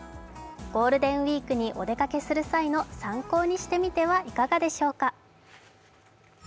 ゴールデンウイークにお出かけする際の参考にしてみてはいかがでしょうか。